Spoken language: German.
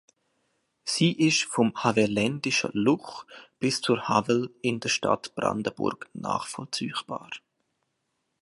Sie ist vom Havelländischen Luch bis zur Havel in der Stadt Brandenburg nachvollziehbar.